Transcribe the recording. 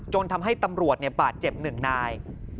จนทำให้ตำรวจบาดเจ็บหนึ่งนาย